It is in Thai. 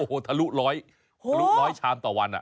โอ้โหทะลุร้อยทะลุร้อยชามต่อวัน